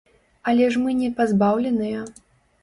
Але ж мы не пазбаўленыя.